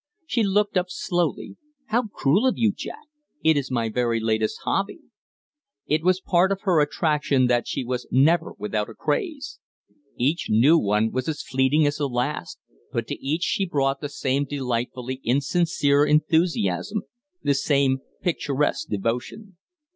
She looked up slowly. "How cruel of you, Jack! It is my very latest hobby." It was part of her attraction that she was never without a craze. Each new one was as fleeting as the last, but to each she brought the same delightfully insincere enthusiasm, the same picturesque devotion.